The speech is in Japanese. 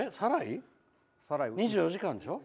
「２４時間」でしょ。